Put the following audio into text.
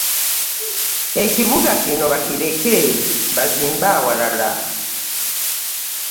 Ekibuga kino bakireke bazimbe ewalala.